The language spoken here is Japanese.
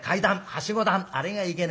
はしご段あれがいけねえや。